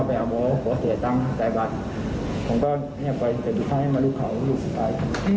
ผมก็ไม่ได้ไปแต่ทุกครั้งให้มาลูกเขาลูกสุดท้าย